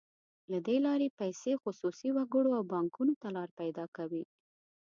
له دې لارې پیسې خصوصي وګړو او بانکونو ته لار پیدا کوي.